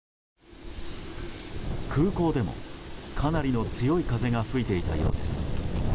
空港でもかなりの強い風が吹いていたようです。